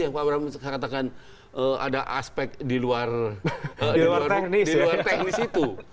yang pak abraham katakan ada aspek di luar teknis itu